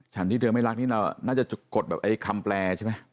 ฉันที่เธอไม่รักนี่เราน่าจะกดแบบไอ้คำแปลใช่ไหม